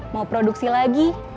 mau produksi lagi